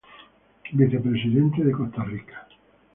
Vicepresidentes de Costa Rica